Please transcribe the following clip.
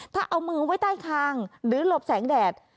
ถ้าเอามือไว้ใต้คางหรือหลบแสงแดด